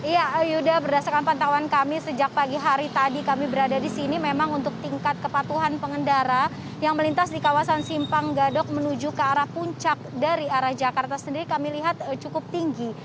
ya yuda berdasarkan pantauan kami sejak pagi hari tadi kami berada di sini memang untuk tingkat kepatuhan pengendara yang melintas di kawasan simpang gadok menuju ke arah puncak dari arah jakarta sendiri kami lihat cukup tinggi